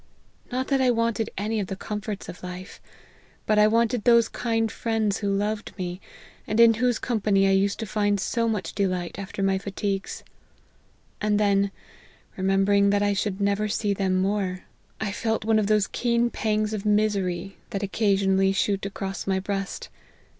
Not that I wanted any of the comforts of life, but I wanted those kind friends who loved me, and in whose company I used to find so much delight after my fatigues. And then, remembering that I should never see them more, I felt one of those keen pangs of misery, that occasionally shoot across my LIFE OF HENRY MARTYN. 71 breast.